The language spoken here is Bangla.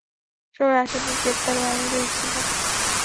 সবাই আসামি গ্রেফতারে বাধা দিয়েছিলে।